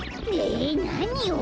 えなにを？